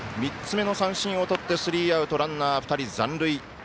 ３つ目の三振をとってスリーアウト、ランナー２人残塁。